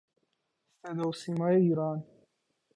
صدا و سیمای ایران